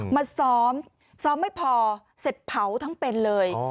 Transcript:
มาซ้อมซ้อมไม่พอเสร็จเผาทั้งเป็นเลย